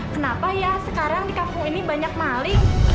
kenapa ya sekarang di kampung ini banyak malik